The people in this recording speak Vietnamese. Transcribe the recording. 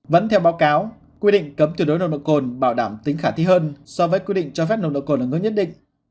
vẫn theo báo cáo quy định cấm tuyệt đối nồng độ cồn bảo đảm tính khả thi hơn so với quy định cho phép nồng độ cồn ở ngưỡng nhất định